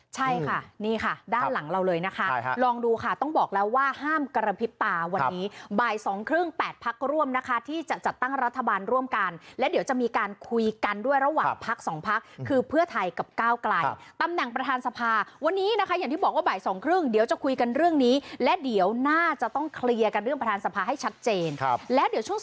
ใช่ค่ะนี่ค่ะด้านหลังเราเลยนะคะลองดูค่ะต้องบอกแล้วว่าห้ามกระพริบตาวันนี้บ่ายสองครึ่ง๘พักร่วมนะคะที่จะจัดตั้งรัฐบาลร่วมกันและเดี๋ยวจะมีการคุยกันด้วยระหว่างพักสองพักคือเพื่อไทยกับก้าวไกลตำแหน่งประธานสภาวันนี้นะคะอย่างที่บอกว่าบ่ายสองครึ่งเดี๋ยวจะคุยกันเรื่องนี้และเดี๋ยวน่าจะต้องเคลียร์กันเรื่องประธานสภาให้ชัดเจนแล้วเดี๋ยวช่วง